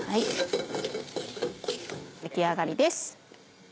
出来上がりです。